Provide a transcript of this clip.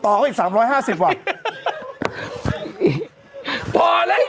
เป็นการกระตุ้นการไหลเวียนของเลือด